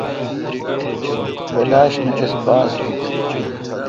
کلاش می اس باس دیت۔